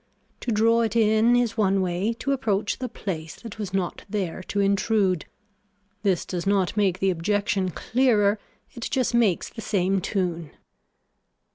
To draw it in is one way to approach the place that was not there to intrude. This does not make the objection clearer it just makes the same tune.